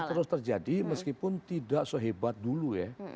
terus terjadi meskipun tidak sehebat dulu ya